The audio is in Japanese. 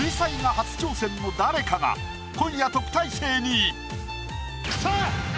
初挑戦の誰かが今夜特待生に。